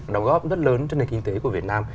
đóng góp rất lớn cho nền kinh tế của việt nam